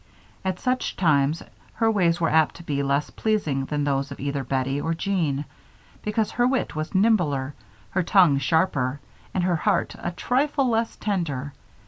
At such times, her ways were apt to be less pleasing than those of either Bettie or Jean, because her wit was nimbler, her tongue sharper, and her heart a trifle less tender.